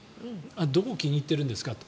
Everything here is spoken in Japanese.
どこを気に入ってるんですか？